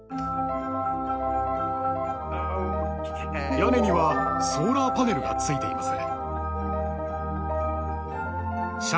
屋根にはソーラーパネルが付いています。